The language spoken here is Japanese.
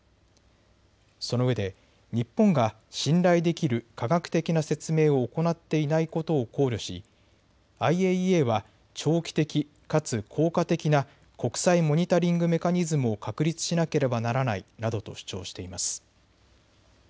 そのうえで日本が信頼できる科学的な説明を行っていないことを考慮しＩＡＥＡは長期的かつ効果的な国際モニタリングメカニズムを確立しなければならないなどと主張しています。